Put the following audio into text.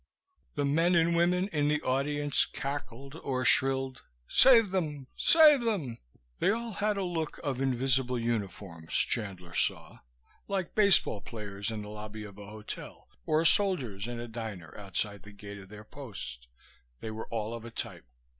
The men and women in the audience cackled or shrilled "Save them! Save them!" They all had a look of invisible uniforms, Chandler saw, like baseball players in the lobby of a hotel or soldiers in a diner outside the gate of their post; they were all of a type.